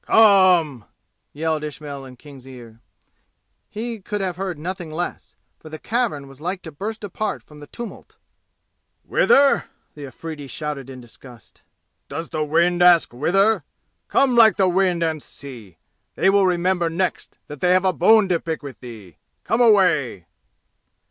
"Come!" yelled Ismail in King's ear. He could have heard nothing less, for the cavern was like to burst apart from the tumult. "Whither?" the Afridi shouted in disgust. "Does the wind ask whither? Come like the wind and see! They will remember next that they have a bone to pick with thee! Come away!"